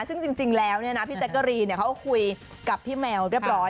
ซึ่งจริงแล้วพี่แจ๊กกะรีนเขาก็คุยกับพี่แมวเรียบร้อย